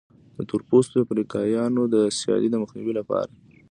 د تور پوستو افریقایانو د سیالۍ د مخنیوي لپاره.